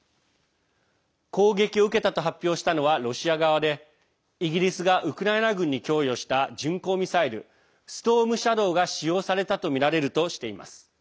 攻撃を受けたと発表したのはロシア側でイギリスがウクライナ軍に供与した巡航ミサイル「ストームシャドー」が使用されたとみられるとしています。